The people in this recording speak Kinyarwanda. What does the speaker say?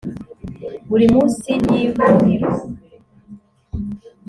buri munsi y ihuriro